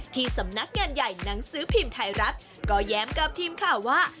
ที่สำนักงานใหญ่หนังสือพิมพ์ไทยรัฐก็แย้มกับทีมข่าวว่า